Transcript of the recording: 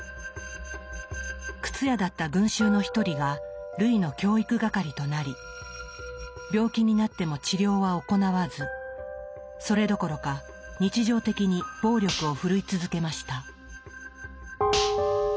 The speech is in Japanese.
靴屋だった群衆の一人がルイの教育係となり病気になっても治療は行わずそれどころか日常的に暴力を振るい続けました。